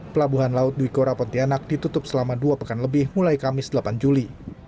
pelabuhan laut dwi kora pontianak ditutup selama dua pekan lebih mulai kamis delapan juli